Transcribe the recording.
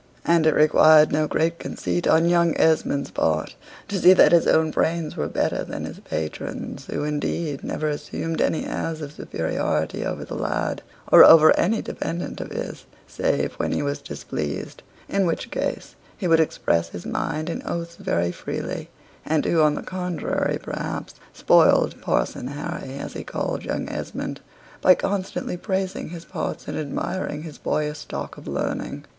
And it required no great conceit on young Esmond's part to see that his own brains were better than his patron's, who, indeed, never assumed any airs of superiority over the lad, or over any dependant of his, save when he was displeased, in which case he would express his mind in oaths very freely; and who, on the contrary, perhaps, spoiled "Parson Harry," as he called young Esmond, by constantly praising his parts and admiring his boyish stock of learning.